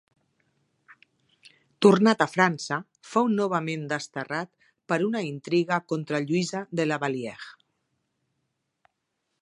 Tornat a França, fou novament desterrat per una intriga contra Lluïsa de La Vallière.